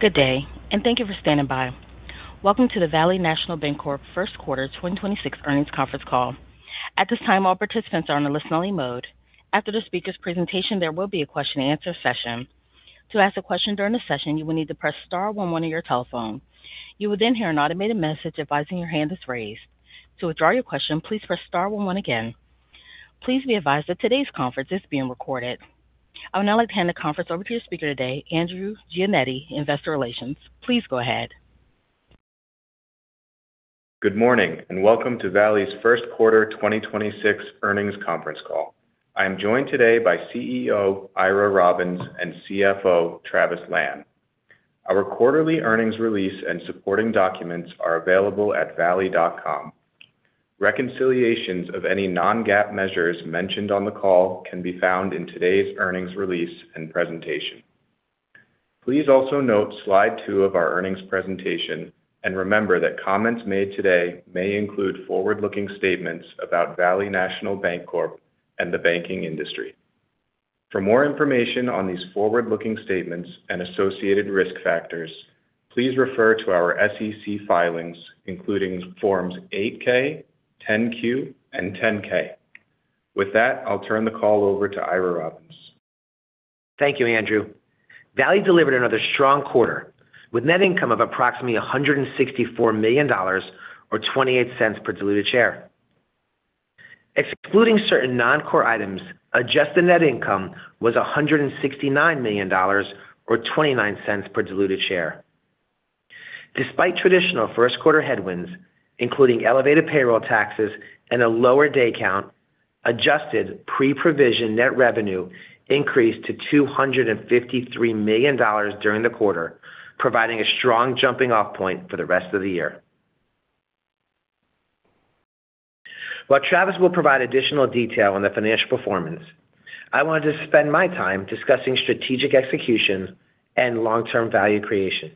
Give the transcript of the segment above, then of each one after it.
Good day, and thank you for standing by. Welcome to the Valley National Bancorp first quarter 2026 earnings conference call. At this time, all participants are in a listening mode. After the speaker's presentation, there will be a question and answer session. To ask a question during the session, you will need to press star one one on your telephone. You will then hear an automated message advising your hand is raised. To withdraw your question, please press star one one again. Please be advised that today's conference is being recorded. I would now like to hand the conference over to your speaker today, Andrew Giannetti, Investor Relations. Please go ahead. Good morning, and welcome to Valley's first quarter 2026 earnings conference call. I am joined today by CEO, Ira Robbins, and CFO, Travis Lan. Our quarterly earnings release and supporting documents are available at valley.com. Reconciliations of any non-GAAP measures mentioned on the call can be found in today's earnings release and presentation. Please also note slide two of our earnings presentation and remember that comments made today may include forward-looking statements about Valley National Bancorp and the banking industry. For more information on these forward-looking statements and associated risk factors, please refer to our SEC filings, including Forms 8-K, 10-Q and 10-K. With that, I'll turn the call over to Ira Robbins. Thank you, Andrew. Valley delivered another strong quarter with net income of approximately $164 million, or $0.28 per diluted share. Excluding certain non-core items, adjusted net income was $169 million, or $0.29 per diluted share. Despite traditional first quarter headwinds, including elevated payroll taxes and a lower day count, adjusted pre-provision net revenue increased to $253 million during the quarter, providing a strong jumping off point for the rest of the year. While Travis will provide additional detail on the financial performance, I wanted to spend my time discussing strategic execution and long-term value creation.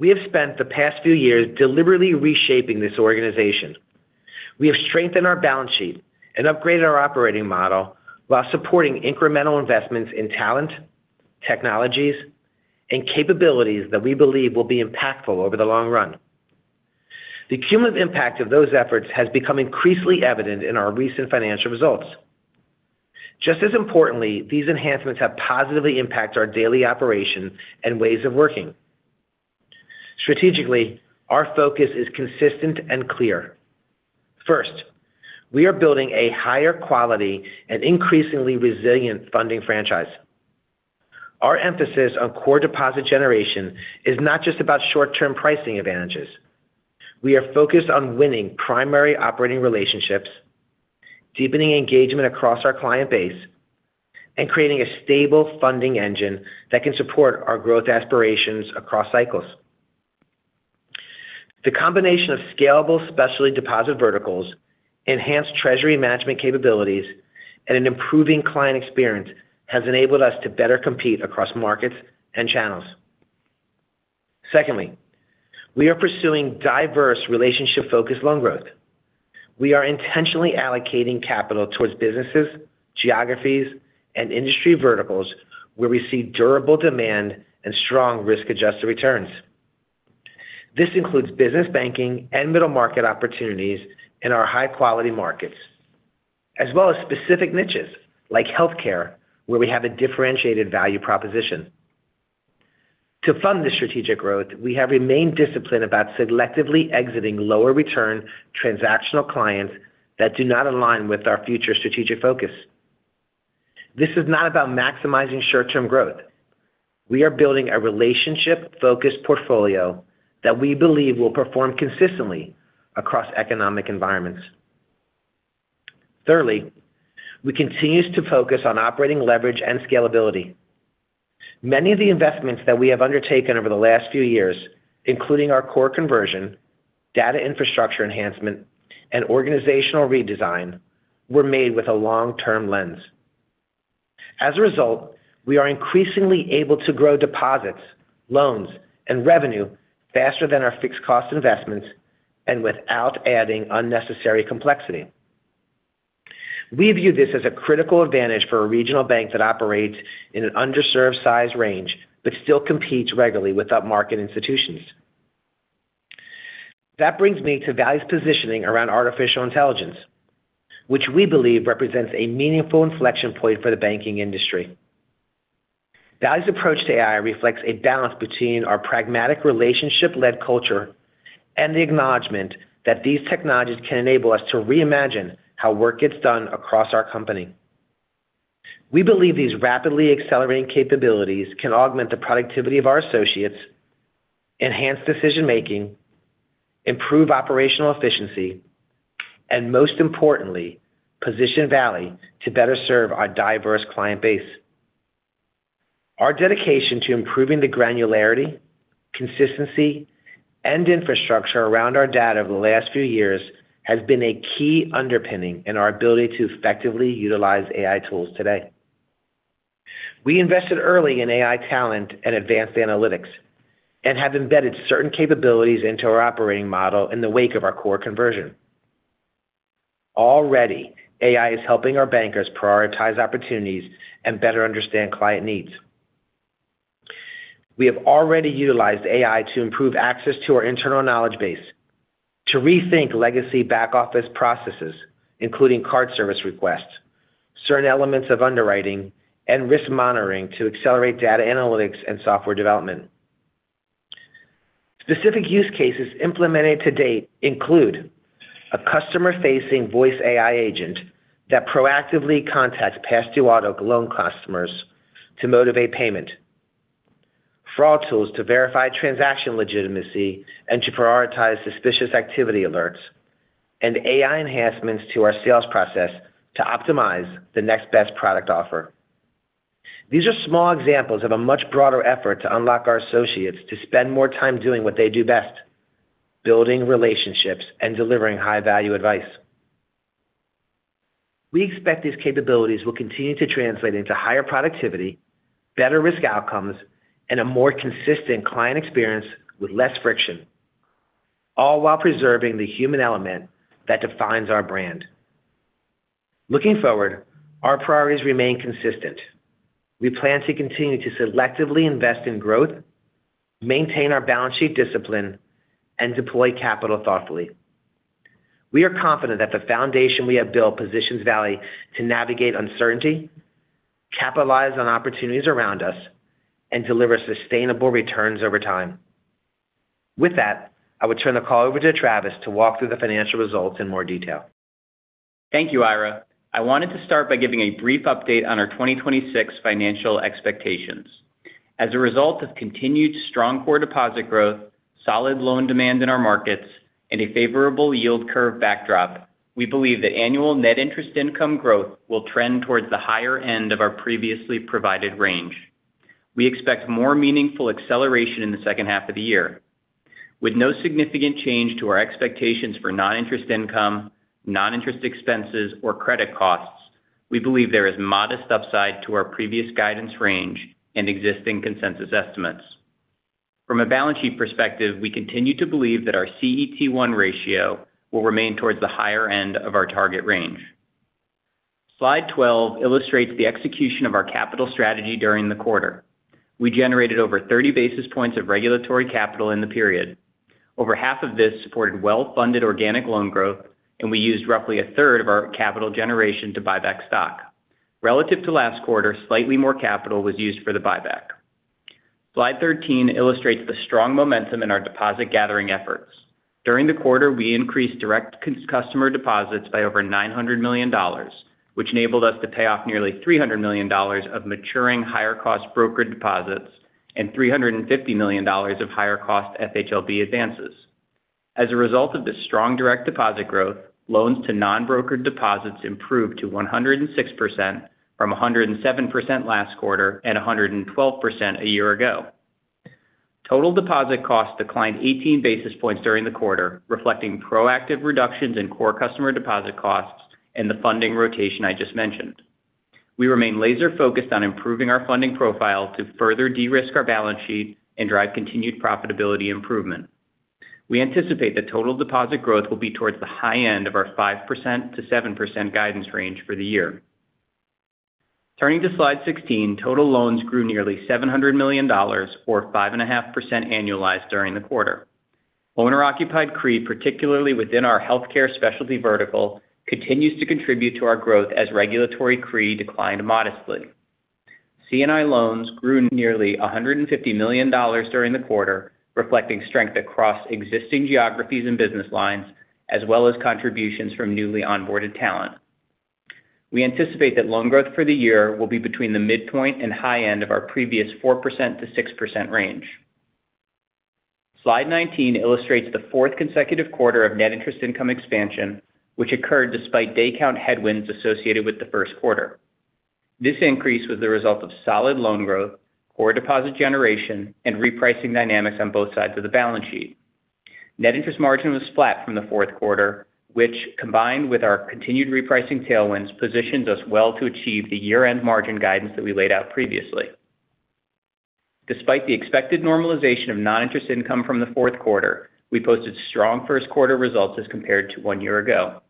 We have spent the past few years deliberately reshaping this organization. We have strengthened our balance sheet and upgraded our operating model while supporting incremental investments in talent, technologies, and capabilities that we believe will be impactful over the long run. The cumulative impact of those efforts has become increasingly evident in our recent financial results. Just as importantly, these enhancements have positively impacted our daily operation and ways of working. Strategically, our focus is consistent and clear. First, we are building a higher quality and increasingly resilient funding franchise. Our emphasis on core deposit generation is not just about short-term pricing advantages. We are focused on winning primary operating relationships, deepening engagement across our client base, and creating a stable funding engine that can support our growth aspirations across cycles. The combination of scalable specialty deposit verticals, enhanced treasury management capabilities, and an improving client experience has enabled us to better compete across markets and channels. Secondly, we are pursuing diverse relationship focused loan growth. We are intentionally allocating capital towards businesses, geographies, and industry verticals where we see durable demand and strong risk-adjusted returns. This includes business banking and middle market opportunities in our high-quality markets, as well as specific niches like healthcare, where we have a differentiated value proposition. To fund this strategic growth, we have remained disciplined about selectively exiting lower return transactional clients that do not align with our future strategic focus. This is not about maximizing short-term growth. We are building a relationship focused portfolio that we believe will perform consistently across economic environments. Thirdly, we continue to focus on operating leverage and scalability. Many of the investments that we have undertaken over the last few years, including our core conversion, data infrastructure enhancement, and organizational redesign, were made with a long-term lens. As a result, we are increasingly able to grow deposits, loans, and revenue faster than our fixed cost investments and without adding unnecessary complexity. We view this as a critical advantage for a regional bank that operates in an underserved size range but still competes regularly with upmarket institutions. That brings me to Valley's positioning around artificial intelligence, which we believe represents a meaningful inflection point for the banking industry. Valley's approach to AI reflects a balance between our pragmatic relationship-led culture and the acknowledgment that these technologies can enable us to reimagine how work gets done across our company. We believe these rapidly accelerating capabilities can augment the productivity of our associates, enhance decision-making, improve operational efficiency, and most importantly, position Valley to better serve our diverse client base. Our dedication to improving the granularity, consistency, and infrastructure around our data over the last few years has been a key underpinning in our ability to effectively utilize AI tools today. We invested early in AI talent and advanced analytics and have embedded certain capabilities into our operating model in the wake of our core conversion. Already, AI is helping our bankers prioritize opportunities and better understand client needs. We have already utilized AI to improve access to our internal knowledge base, to rethink legacy back-office processes, including card service requests, certain elements of underwriting and risk monitoring to accelerate data analytics and software development. Specific use cases implemented to date include a customer-facing voice AI agent that proactively contacts past due auto loan customers to motivate payment, fraud tools to verify transaction legitimacy and to prioritize suspicious activity alerts, and AI enhancements to our sales process to optimize the next best product offer. These are small examples of a much broader effort to unlock our associates to spend more time doing what they do best, building relationships and delivering high-value advice. We expect these capabilities will continue to translate into higher productivity, better risk outcomes, and a more consistent client experience with less friction, all while preserving the human element that defines our brand. Looking forward, our priorities remain consistent. We plan to continue to selectively invest in growth, maintain our balance sheet discipline, and deploy capital thoughtfully. We are confident that the foundation we have built positions Valley to navigate uncertainty, capitalize on opportunities around us, and deliver sustainable returns over time. With that, I would turn the call over to Travis to walk through the financial results in more detail. Thank you, Ira. I wanted to start by giving a brief update on our 2026 financial expectations. As a result of continued strong core deposit growth, solid loan demand in our markets, and a favorable yield curve backdrop, we believe that annual net interest income growth will trend towards the higher end of our previously provided range. We expect more meaningful acceleration in the second half of the year. With no significant change to our expectations for non-interest income, non-interest expenses or credit costs, we believe there is modest upside to our previous guidance range and existing consensus estimates. From a balance sheet perspective, we continue to believe that our CET1 ratio will remain towards the higher end of our target range. Slide 12 illustrates the execution of our capital strategy during the quarter. We generated over 30 basis points of regulatory capital in the period. Over half of this supported well-funded organic loan growth, and we used roughly a third of our capital generation to buy back stock. Relative to last quarter, slightly more capital was used for the buyback. Slide 13 illustrates the strong momentum in our deposit gathering efforts. During the quarter, we increased direct customer deposits by over $900 million, which enabled us to pay off nearly $300 million of maturing higher cost brokered deposits and $350 million of higher cost FHLB advances. As a result of this strong direct deposit growth, loans to non-brokered deposits improved to 106% from 107% last quarter at 112% a year ago. Total deposit costs declined 18 basis points during the quarter, reflecting proactive reductions in core customer deposit costs and the funding rotation I just mentioned. We remain laser-focused on improving our funding profile to further de-risk our balance sheet and drive continued profitability improvement. We anticipate that total deposit growth will be towards the high end of our 5%-7% guidance range for the year. Turning to Slide 16, total loans grew nearly $700 million, or 5.5% annualized during the quarter. Owner-occupied CRE, particularly within our healthcare specialty vertical, continues to contribute to our growth as regulatory CRE declined modestly. C&I loans grew nearly $150 million during the quarter, reflecting strength across existing geographies and business lines, as well as contributions from newly onboarded talent. We anticipate that loan growth for the year will be between the midpoint and high end of our previous 4%-6% range. Slide 19 illustrates the fourth consecutive quarter of net interest income expansion, which occurred despite day count headwinds associated with the first quarter. This increase was the result of solid loan growth, core deposit generation, and repricing dynamics on both sides of the balance sheet. Net interest margin was flat from the fourth quarter, which, combined with our continued repricing tailwinds, positions us well to achieve the year-end margin guidance that we laid out previously. Despite the expected normalization of non-interest income from the fourth quarter, we posted strong first-quarter results as compared to one year ago.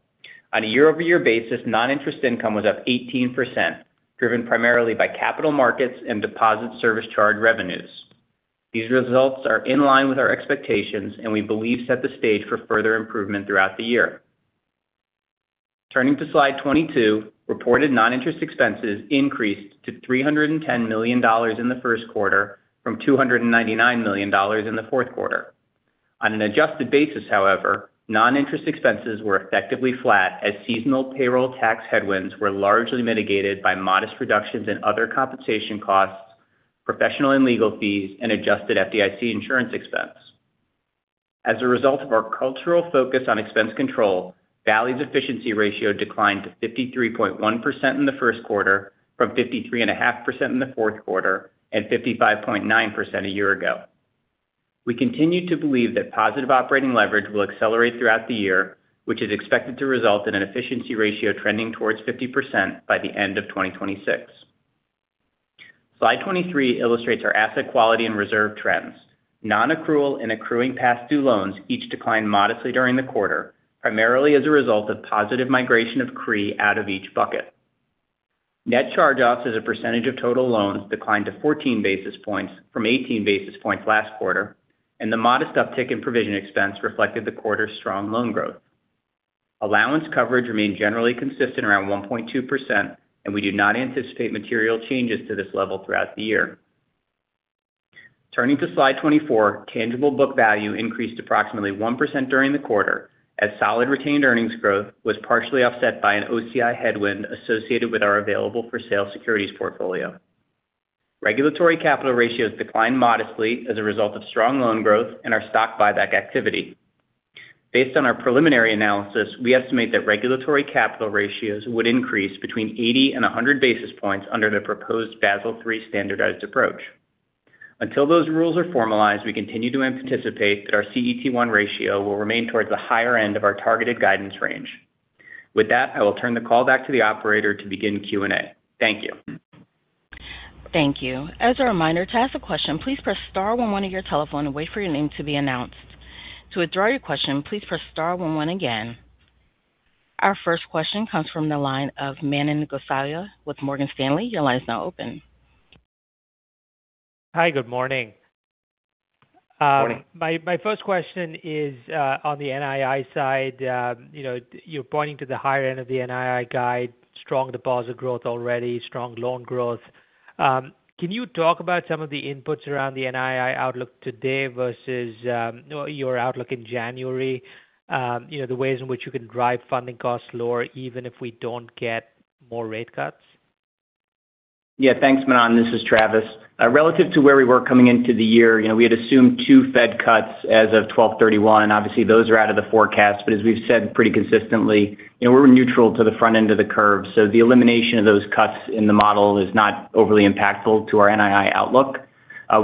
On a year-over-year basis, non-interest income was up 18%, driven primarily by capital markets and deposit service charge revenues. These results are in line with our expectations, and we believe set the stage for further improvement throughout the year. Turning to Slide 22, reported non-interest expenses increased to $310 million in the first quarter from $299 million in the fourth quarter. On an adjusted basis, however, non-interest expenses were effectively flat as seasonal payroll tax headwinds were largely mitigated by modest reductions in other compensation costs, professional and legal fees, and adjusted FDIC insurance expense. As a result of our cultural focus on expense control, Valley's efficiency ratio declined to 53.1% in the first quarter from 53.5% in the fourth quarter and 55.9% a year ago. We continue to believe that positive operating leverage will accelerate throughout the year, which is expected to result in an efficiency ratio trending towards 50% by the end of 2026. Slide 23 illustrates our asset quality and reserve trends. Non-accrual and accruing past due loans each declined modestly during the quarter, primarily as a result of positive migration of CRE out of each bucket. Net charge-offs as a percentage of total loans declined to 14 basis points from 18 basis points last quarter, and the modest uptick in provision expense reflected the quarter's strong loan growth. Allowance coverage remained generally consistent around 1.2%, and we do not anticipate material changes to this level throughout the year. Turning to Slide 24, tangible book value increased approximately 1% during the quarter, as solid retained earnings growth was partially offset by an OCI headwind associated with our available-for-sale securities portfolio. Regulatory capital ratios declined modestly as a result of strong loan growth and our stock buyback activity. Based on our preliminary analysis, we estimate that regulatory capital ratios would increase between 80 basis points and 100 basis points under the proposed Basel III standardized approach. Until those rules are formalized, we continue to anticipate that our CET1 ratio will remain towards the higher end of our targeted guidance range. With that, I will turn the call back to the operator to begin Q&A. Thank you. Thank you. As a reminder, to ask a question, please press star one on your telephone and wait for your name to be announced. To withdraw your question, please press star one again. Our first question comes from the line of Manan Gosalia with Morgan Stanley. Your line is now open. Hi, good morning. Morning. My first question is on the NII side. You're pointing to the higher end of the NII guide, strong deposit growth already, strong loan growth. Can you talk about some of the inputs around the NII outlook today versus your outlook in January, the ways in which you can drive funding costs lower even if we don't get more rate cuts? Yeah. Thanks, Manan. This is Travis. Relative to where we were coming into the year, we had assumed 2 Fed cuts as of 12/31, and obviously those are out of the forecast. As we've said pretty consistently, we're neutral to the front end of the curve, so the elimination of those cuts in the model is not overly impactful to our NII outlook.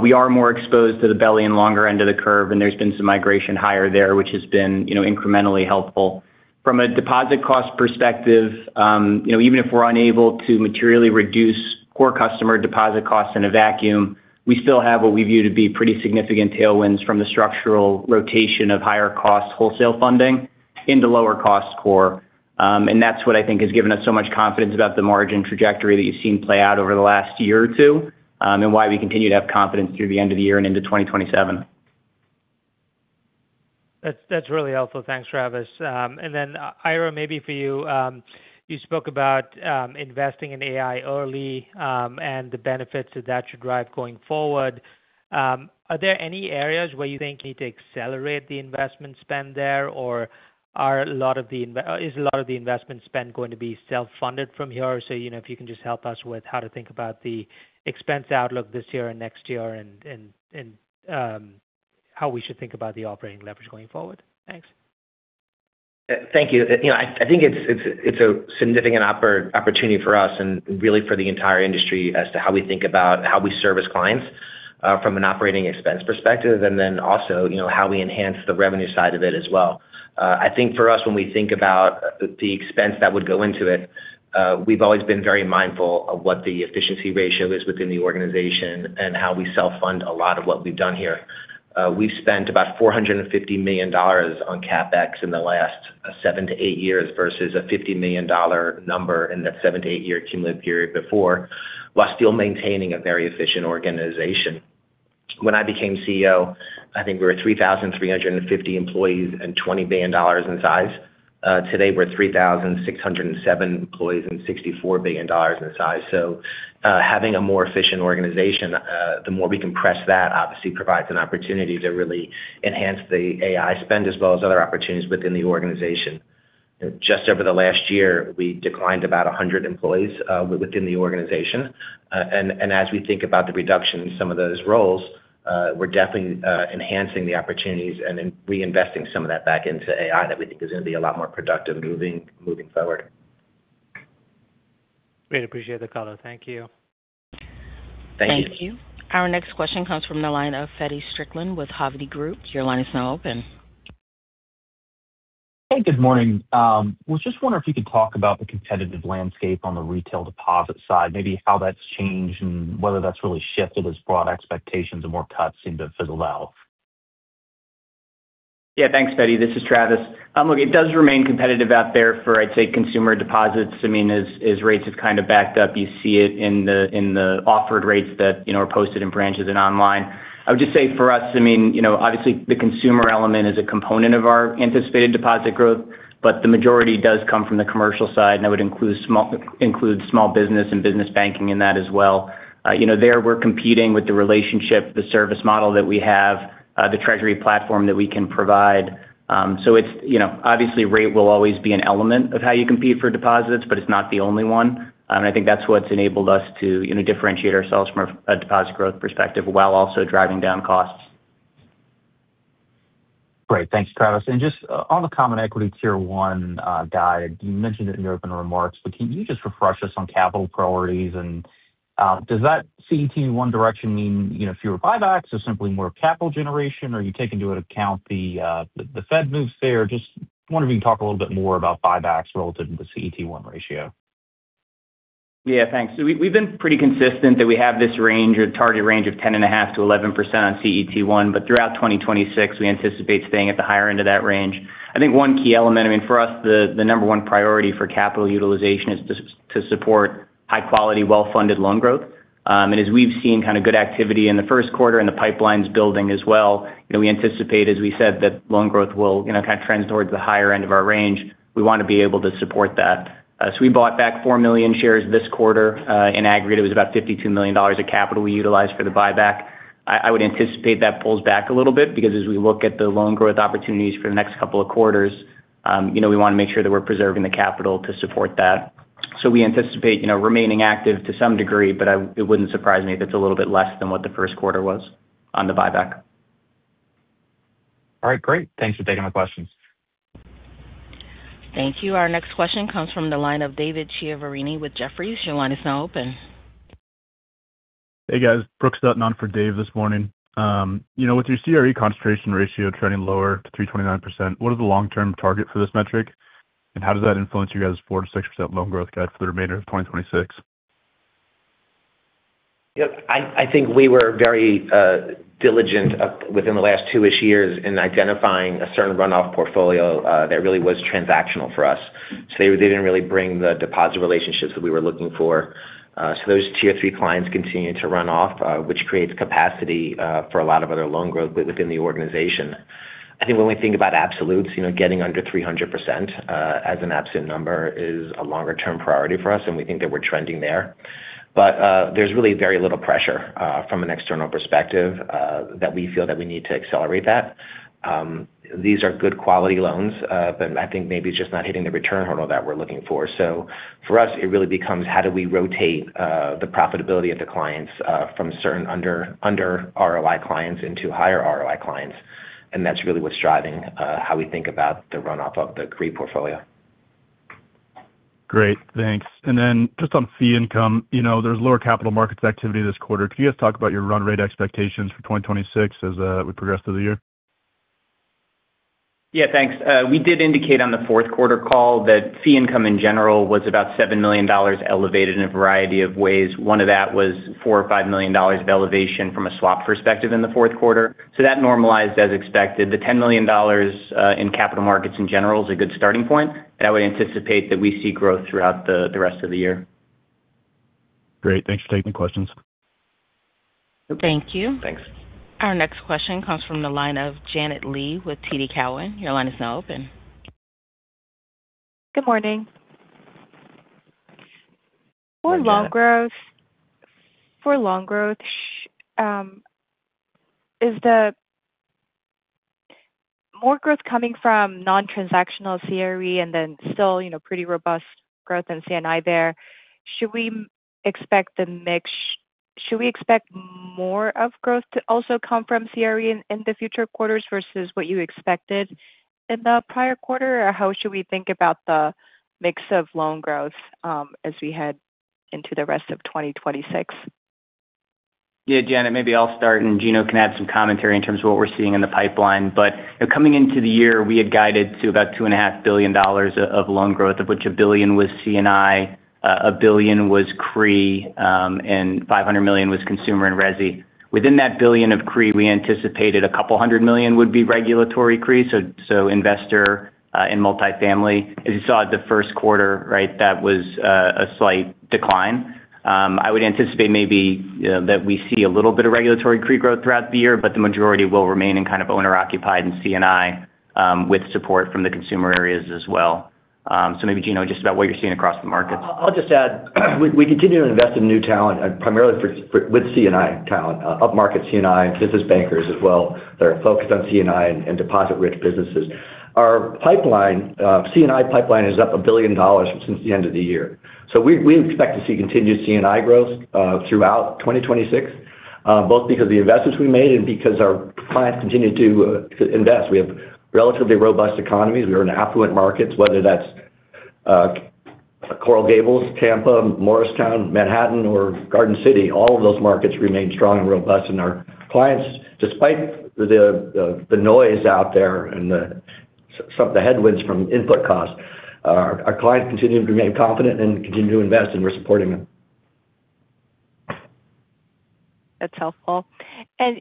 We are more exposed to the belly and longer end of the curve, and there's been some migration higher there, which has been incrementally helpful. From a deposit cost perspective, even if we're unable to materially reduce core customer deposit costs in a vacuum, we still have what we view to be pretty significant tailwinds from the structural rotation of higher cost wholesale funding into lower cost core. That's what I think has given us so much confidence about the margin trajectory that you've seen play out over the last year or two, and why we continue to have confidence through the end of the year and into 2027. That's really helpful. Thanks, Travis. Ira, maybe for you. You spoke about investing in AI early, and the benefits that should drive going forward. Are there any areas where you think you need to accelerate the investment spend there, or is a lot of the investment spend going to be self-funded from here? If you can just help us with how to think about the expense outlook this year and next year and how we should think about the operating leverage going forward. Thanks. Thank you. I think it's a significant opportunity for us and really for the entire industry as to how we think about how we service clients, from an operating expense perspective, and then also how we enhance the revenue side of it as well. I think for us, when we think about the expense that would go into it, we've always been very mindful of what the efficiency ratio is within the organization and how we self-fund a lot of what we've done here. We've spent about $450 million on CapEx in the last 7-8 years versus a $50 million number in the 7-8 year cumulative period before, while still maintaining a very efficient organization. When I became CEO, I think we were 3,350 employees and $20 billion in size. Today, we're 3,607 employees and $64 billion in size. Having a more efficient organization the more we compress that obviously provides an opportunity to really enhance the AI spend as well as other opportunities within the organization. Just over the last year, we declined about 100 employees within the organization. As we think about the reduction in some of those roles, we're definitely enhancing the opportunities and then reinvesting some of that back into AI that we think is going to be a lot more productive moving forward. Great. Appreciate the color. Thank you. Thank you. Thank you. Our next question comes from the line of Feddie Strickland with Hovde Group. Your line is now open. Hey, good morning. I was just wondering if you could talk about the competitive landscape on the retail deposit side, maybe how that's changed and whether that's really shifted as broad expectations of more cuts seem to fizzle out. Yeah, thanks, Feddie. This is Travis. Look, it does remain competitive out there for, I'd say, consumer deposits. As rates have kind of backed up, you see it in the offered rates that are posted in branches and online. I would just say for us, obviously the consumer element is a component of our anticipated deposit growth, but the majority does come from the commercial side, and that would include small business and business banking in that as well. There we're competing with the relationship, the service model that we have, the treasury platform that we can provide. Obviously, rate will always be an element of how you compete for deposits, but it's not the only one. I think that's what's enabled us to differentiate ourselves from a deposit growth perspective while also driving down costs. Great. Thanks, Travis. Just on the Common Equity Tier 1 guide, you mentioned it in your opening remarks, but can you just refresh us on capital priorities? Does that CET1 direction mean fewer buybacks or simply more capital generation? You take into account the Fed moves there? Just wondering if you can talk a little bit more about buybacks relative to the CET1 ratio. Yeah, thanks. We've been pretty consistent that we have this range or target range of 10.5%-11% CET1. Throughout 2026, we anticipate staying at the higher end of that range. I think one key element, I mean, for us, the number one priority for capital utilization is to support high-quality, well-funded loan growth. As we've seen kind of good activity in the first quarter and the pipelines building as well, we anticipate, as we said, that loan growth will kind of trend towards the higher end of our range. We want to be able to support that. We bought back 4 million shares this quarter. In aggregate, it was about $52 million of capital we utilized for the buyback. I would anticipate that pulls back a little bit because as we look at the loan growth opportunities for the next couple of quarters, we want to make sure that we're preserving the capital to support that. We anticipate remaining active to some degree, but it wouldn't surprise me if it's a little bit less than what the first quarter was on the buyback. All right, great. Thanks for taking my questions. Thank you. Our next question comes from the line of David Chiaverini with Jefferies. Your line is now open. Hey guys, Brooks Dutton on for Dave this morning. You know, with your CRE concentration ratio trending lower to 329%, what is the long-term target for this metric and how does that influence your guys 4%-6% loan growth guide for the remainder of 2026? I think we were very diligent within the last 2-ish years in identifying a certain runoff portfolio that really was transactional for us. They didn't really bring the deposit relationships that we were looking for. So those Tier 3 clients continue to run off, which creates capacity for a lot of other loan growth within the organization. I think when we think about absolutes, getting under 300% as an absolute number is a longer-term priority for us. And we think that we're trending there, but there's really very little pressure from an external perspective that we feel that we need to accelerate that these are good quality loans. But I think maybe it's just not hitting the return hurdle that we're looking for. So for us it really becomes how do we rotate the profitability of the clients from certain under ROI clients into higher ROI clients. And that's really what's driving how we think about the runoff of the CRE portfolio. Great, thanks. And then just on fee income, there's lower capital market activity this quarter. Can you guys talk about your run rate expectations for 2026 as we progress through the year? Yeah, thanks. We did indicate on the fourth quarter call that fee income in general was about $7 million elevated in a variety of ways. One of that was $4 million or $5 million of elevation from a swap perspective in the fourth quarter. So that normalized as expected. The $10 million in capital markets, in general, is a good starting point. And I would anticipate that we see growth throughout the rest of the year. Great, thanks for taking the questions. Thank you. Thanks. Our next question comes from the line of Janet Lee with TD Cowen. Your line is now open. Good morning. For loan growth, is the more growth coming from non transactional CRE, and then still pretty robust growth in CNI there? Should we expect the mix? Should we expect more of growth to also come from CRE in the future quarters versus what you expected in the prior quarter? Or how should we think about the mix of loan growth as we head into the rest of 2026? Yeah, Janet, maybe I'll start, and Gino can add some commentary in terms of what we're seeing in the pipeline. Coming into the year, we had guided to about $2.5 billion of loan growth, of which $1 billion was C&I, $1 billion was CRE, and $500 million was consumer and resi. Within that billion of CRE, we anticipated a couple hundred million would be regulatory CREs, so investor and multifamily. As you saw at the first quarter, that was a slight decline. I would anticipate maybe that we see a little bit of regulatory CRE growth throughout the year, but the majority will remain in kind of owner-occupied and C&I with support from the consumer areas as well. Maybe, Gino, just about what you're seeing across the markets. I'll just add we continue to invest in new talent, primarily with C&I talent, upmarket C&I and business bankers as well that are focused on C&I and deposit-rich businesses. Our C&I pipeline is up $1 billion since the end of the year. We expect to see continued C&I growth throughout 2026, both because of the investments we made and because our clients continue to invest. We have relatively robust economies. We are in affluent markets, whether that's Coral Gables, Tampa, Morristown, Manhattan or Garden City. All of those markets remain strong and robust. Our clients, despite the noise out there and the headwinds from input costs, our clients continue to remain confident and continue to invest, and we're supporting them. That's helpful.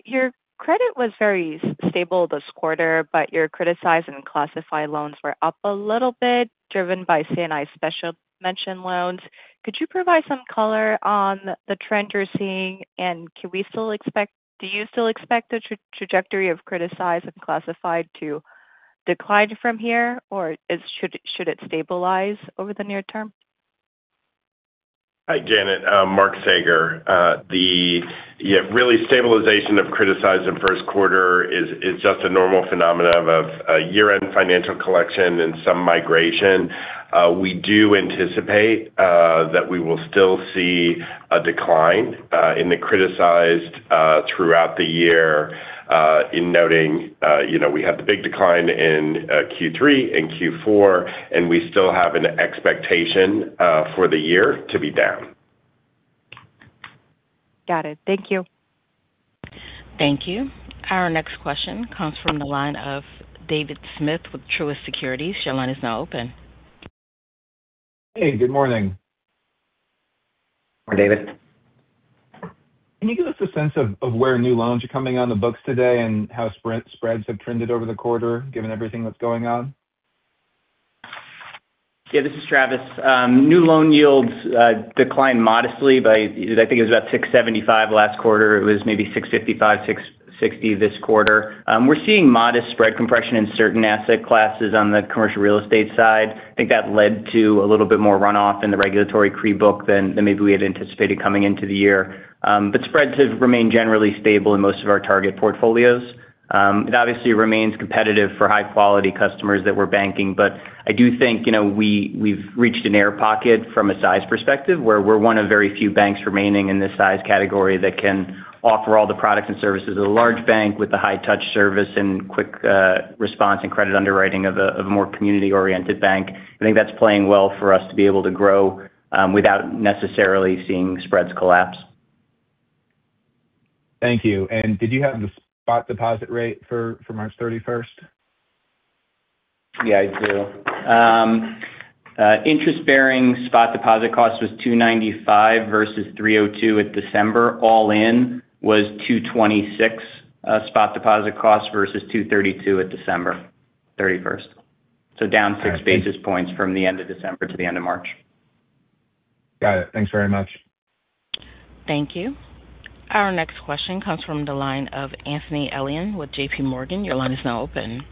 Your credit was very stable this quarter, but your criticized and classified loans were up a little bit, driven by C&I special mention loans. Could you provide some color on the trend you're seeing, and do you still expect the trajectory of criticized and classified to decline from here, or should it stabilize over the near term? Hi, Janet. Mark Saeger. Really, stabilization of criticized in first quarter is just a normal phenomenon of a year-end financial collection and some migration. We do anticipate that we will still see a decline in the criticized throughout the year, noting we had the big decline in Q3 and Q4, and we still have an expectation for the year to be down. Got it. Thank you. Thank you. Our next question comes from the line of David Smith with Truist Securities. Your line is now open. Hey, good morning. Good morning, David. Can you give us a sense of where new loans are coming on the books today, and how spreads have trended over the quarter, given everything that's going on? Yeah, this is Travis. New loan yields declined modestly by, I think it was about 675 last quarter. It was maybe 655, 660 this quarter. We're seeing modest spread compression in certain asset classes on the commercial real estate side. I think that led to a little bit more runoff in the regulatory CRE book than maybe we had anticipated coming into the year. Spreads have remained generally stable in most of our target portfolios. It obviously remains competitive for high-quality customers that we're banking, but I do think we've reached an air pocket from a size perspective, where we're one of very few banks remaining in this size category that can offer all the products and services of a large bank with the high-touch service and quick response and credit underwriting of a more community-oriented bank. I think that's playing well for us to be able to grow without necessarily seeing spreads collapse. Thank you. Did you have the spot deposit rate for March 31st? Yeah, I do. Interest-bearing spot deposit cost was 295 basis points versus 302 basis points at December. All in was 226 basis points spot deposit cost versus 232 basis point basis points at December 31st. Down 6 basis points from the end of December to the end of March. Got it. Thanks very much. Thank you. Our next question comes from the line of Anthony Elian with JPMorgan. Your line is now open.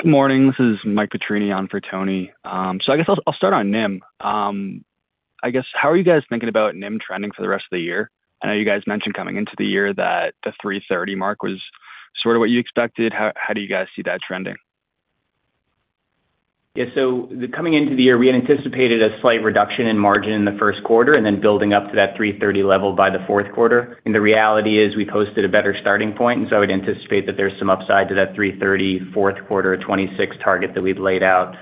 Good morning. This is Mike Petrini on for Tony. I guess I'll start on NIM. I guess, how are you guys thinking about NIM trending for the rest of the year? I know you guys mentioned coming into the year that the 3.30% mark was sort of what you expected. How do you guys see that trending? Yeah. Coming into the year, we had anticipated a slight reduction in margin in the first quarter, and then building up to that 3.30% level by the fourth quarter. The reality is we posted a better starting point, and so I would anticipate that there's some upside to that 3.30% fourth quarter 2026 target that we've laid out.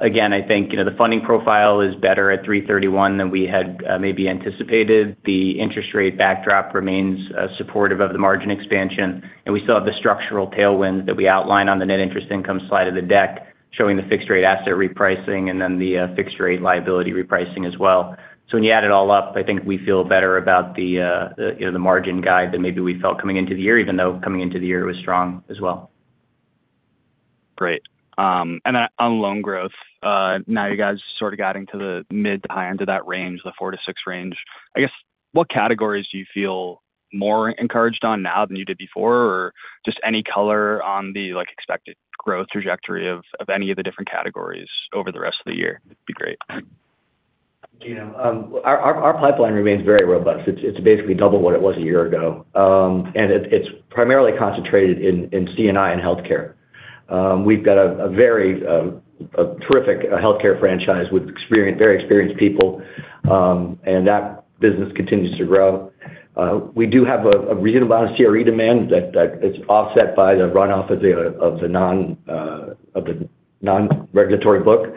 Again, I think the funding profile is better at 3.31% than we had maybe anticipated. The interest rate backdrop remains supportive of the margin expansion, and we still have the structural tailwind that we outlined on the net interest income slide of the deck, showing the fixed rate asset repricing and then the fixed rate liability repricing as well. When you add it all up, I think we feel better about the margin guide than maybe we felt coming into the year, even though coming into the year was strong as well. Great. On loan growth, now you guys sort of guiding to the mid to high end of that range, the 4%-6% range. I guess, what categories do you feel more encouraged on now than you did before? Or just any color on the expected growth trajectory of any of the different categories over the rest of the year would be great. Our pipeline remains very robust. It's basically double what it was a year ago. It's primarily concentrated in C&I and healthcare. We've got a terrific healthcare franchise with very experienced people, and that business continues to grow. We do have a reasonable amount of CRE demand that is offset by the runoff of the non-regulatory book.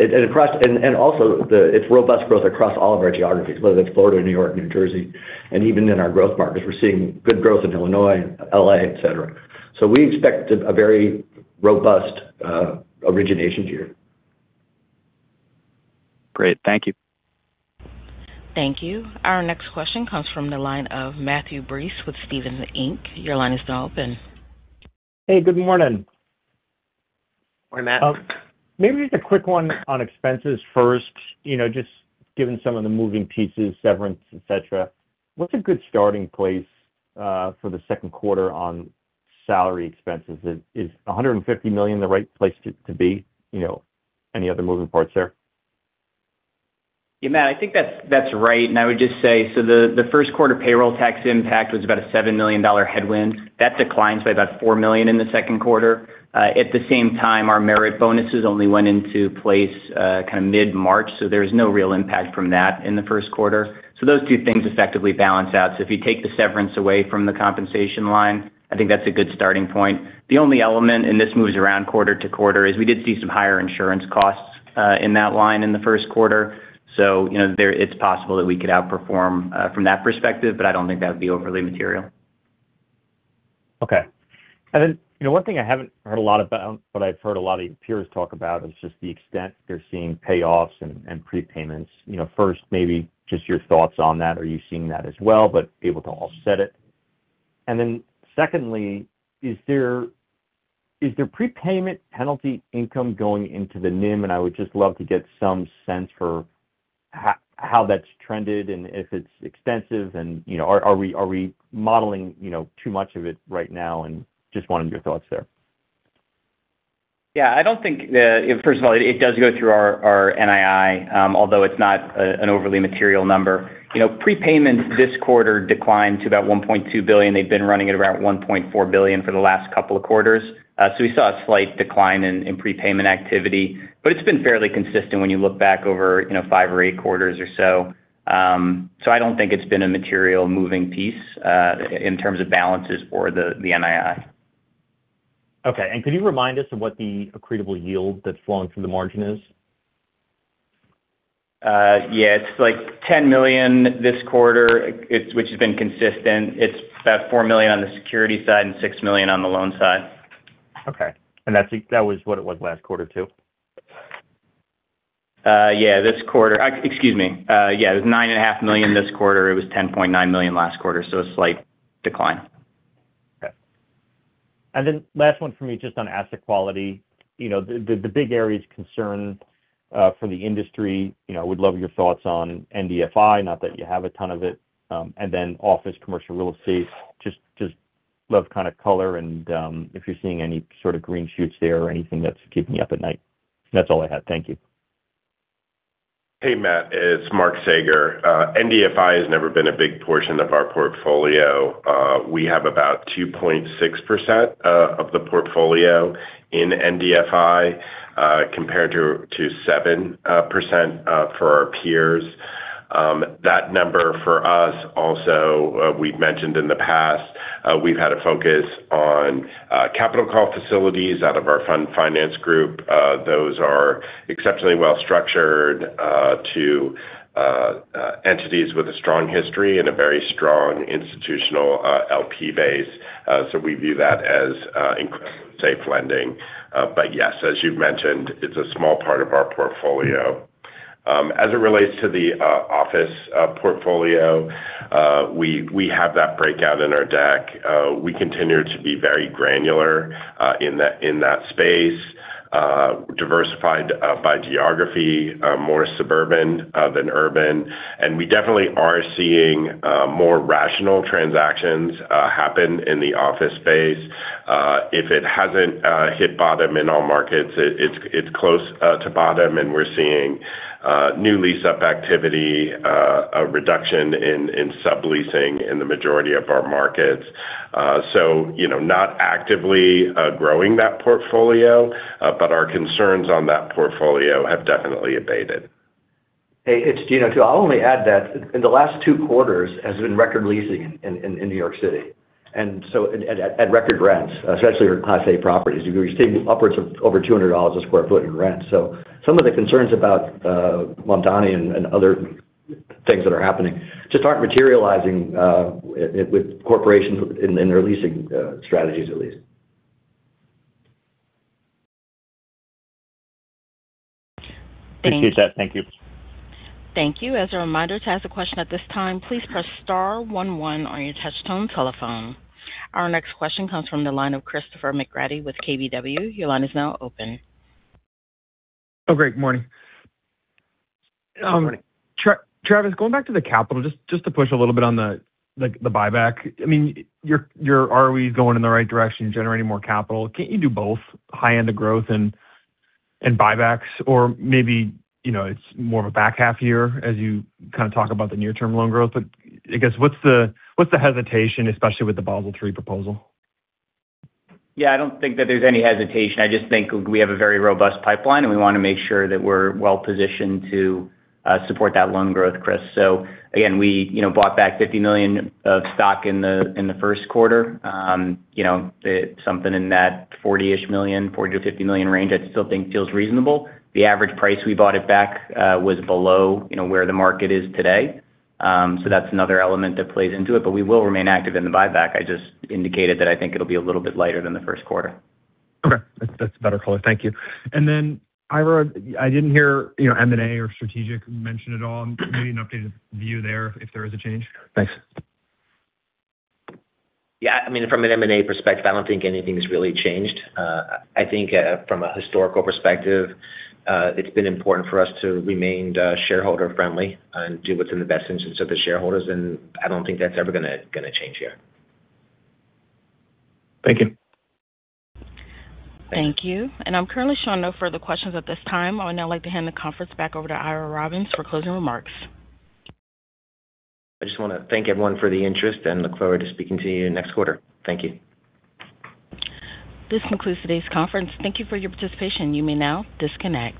It's robust growth across all of our geographies, whether that's Florida, New York, New Jersey, and even in our growth markets. We're seeing good growth in Illinois, L.A., et cetera. We expect a very robust origination year. Great. Thank you. Thank you. Our next question comes from the line of Matthew Breese with Stephens Inc. Your line is now open. Hey, good morning. Good morning, Matt. Maybe just a quick one on expenses first. Just given some of the moving pieces, severance, et cetera, what's a good starting place for the second quarter on salary expenses? Is $150 million the right place to be? Any other moving parts there? Yeah, Matt, I think that's right. I would just say, so the first quarter payroll tax impact was about a $7 million headwind. That declines by about $4 million in the second quarter. At the same time, our merit bonuses only went into place kind of mid-March, so there's no real impact from that in the first quarter. Those two things effectively balance out. If you take the severance away from the compensation line, I think that's a good starting point. The only element, and this moves around quarter to quarter, is we did see some higher insurance costs in that line in the first quarter. It's possible that we could outperform from that perspective, but I don't think that would be overly material. Okay. One thing I haven't heard a lot about, but I've heard a lot of your peers talk about is just the extent they're seeing payoffs and prepayments. First, maybe just your thoughts on that. Are you seeing that as well, but able to offset it? Secondly, is there prepayment penalty income going into the NIM? I would just love to get some sense for how that's trended and if it's extensive. Are we modeling too much of it right now? Just wanted your thoughts there. Yeah. First of all, it does go through our NII. Although it's not an overly material number. Prepayments this quarter declined to about $1.2 billion. They've been running at around $1.4 billion for the last couple of quarters. We saw a slight decline in prepayment activity. It's been fairly consistent when you look back over five or eight quarters or so. I don't think it's been a material moving piece in terms of balances for the NII. Okay. Could you remind us of what the accretable yield that's flowing through the margin is? Yeah, it's like $10 million this quarter, which has been consistent. It's about $4 million on the security side and $6 million on the loan side. Okay. That was what it was last quarter, too? Yeah, it was $9.5 million this quarter. It was $10.9 million last quarter, so a slight decline. Okay. Last one for me, just on asset quality. The big areas of concern for the industry. Would love your thoughts on Multifamily, not that you have a ton of it, and then office commercial real estate. I'd love some color and if you're seeing any sort of green shoots there or anything that's keeping you up at night. That's all I had. Thank you. Hey, Matt, it's Mark Saeger. NDFI has never been a big portion of our portfolio. We have about 2.6% of the portfolio in NDFI compared to 7% for our peers. That number for us also, we've mentioned in the past, we've had a focus on capital call facilities out of our fund finance group. Those are exceptionally well-structured to entities with a strong history and a very strong institutional LP base. So we view that as incredibly safe lending. But yes, as you've mentioned, it's a small part of our portfolio. As it relates to the office portfolio, we have that breakout in our deck. We continue to be very granular in that space, diversified by geography, more suburban than urban. We definitely are seeing more rational transactions happen in the office space. If it hasn't hit bottom in all markets, it's close to bottom, and we're seeing new lease-up activity, a reduction in subleasing in the majority of our markets. Not actively growing that portfolio, but our concerns on that portfolio have definitely abated. Hey, it's Gino, too. I'll only add that in the last two quarters has been record leasing in New York City. At record rents, especially our Class A properties. We're seeing upwards of over $200 a sq ft in rent. Some of the concerns about Mandarin and other things that are happening just aren't materializing with corporations in their leasing strategies, at least. Appreciate that. Thank you. Thank you. As a reminder, to ask a question at this time, please press star 11 on your touch tone telephone. Our next question comes from the line of Christopher McGratty with KBW. Your line is now open. Oh, great. Morning. Good morning. Travis, going back to the capital, just to push a little bit on the buyback. I mean, your ROE is going in the right direction, generating more capital. Can't you do both high end of growth and buybacks? Or maybe, it's more of a back half year as you kind of talk about the near term loan growth. I guess, what's the hesitation, especially with the Basel III proposal? Yeah, I don't think that there's any hesitation. I just think we have a very robust pipeline, and we want to make sure that we're well-positioned to support that loan growth, Chris. We bought back $50 million of stock in the first quarter. Something in that $40-ish million, $40 million-$50 million range I still think feels reasonable. The average price we bought it back was below where the market is today. That's another element that plays into it, but we will remain active in the buyback. I just indicated that I think it'll be a little bit lighter than the first quarter. Okay. That's a better color. Thank you. Ira, I didn't hear M&A or strategic mentioned at all. Maybe an updated view there if there is a change. Thanks. Yeah, I mean, from an M&A perspective, I don't think anything has really changed. I think from a historical perspective, it's been important for us to remain shareholde- friendly and do what's in the best interest of the shareholders, and I don't think that's ever going to change here. Thank you. Thank you. I'm currently showing no further questions at this time. I would now like to hand the conference back over to Ira Robbins for closing remarks. I just want to thank everyone for the interest and look forward to speaking to you next quarter. Thank you. This concludes today's conference. Thank you for your participation. You may now disconnect.